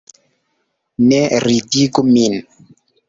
Ne ridigu min!